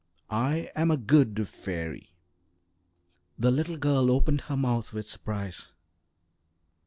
I am a good fairy." The little girl opened her mouth with surprise.